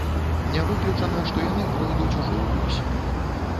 Не выключана, што яны пройдуць ужо ўвосень.